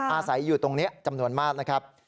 อาศัยอยู่ตรงนี้จำนวนมากนะครับ